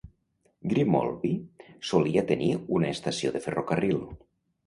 Grimoldby solia tenir una estació de ferrocarril.